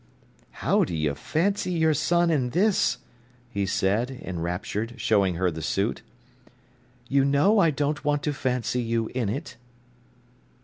"How do you fancy your son in this!" he said, enraptured, showing her the suit. "You know I don't want to fancy you in it."